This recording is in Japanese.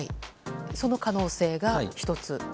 その可能性が１つと。